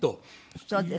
そうですね。